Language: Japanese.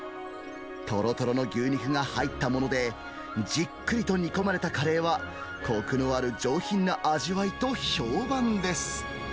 とろとろの牛肉が入ったもので、じっくりと煮込まれたカレーは、こくのある上品な味わいと評判です。